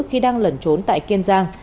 khi đang lẩn trốn tại kiên giang